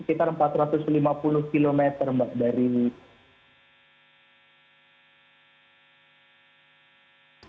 itu sekitar empat ratus lima puluh km mbak daniel